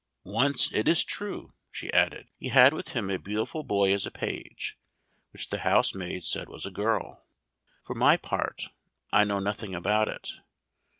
"Once, it is true," she added, "he had with him a beautiful boy as a page, which the housemaids said was a girl. For my part, I know nothing about it.